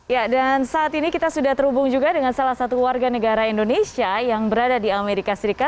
ya dan saat ini kita sudah terhubung juga dengan salah satu warga negara indonesia yang berada di amerika serikat